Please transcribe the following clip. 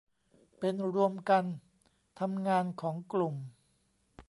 เป็นรวมกันทำงานของกลุ่ม